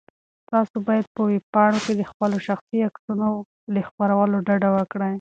تاسو باید په ویبپاڼو کې د خپلو شخصي عکسونو له خپرولو ډډه وکړئ.